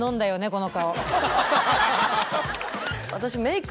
この顔。